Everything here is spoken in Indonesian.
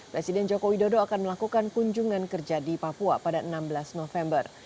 presiden joko widodo akan melakukan kunjungan kerja di papua pada enam belas november